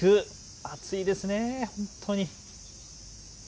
暑いですね、本当に。